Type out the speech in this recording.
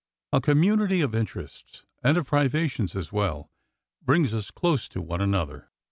A community of in terests (and of privations as well) brings us close to one another.